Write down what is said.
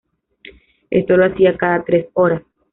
Esto lo hacía cada tres horas.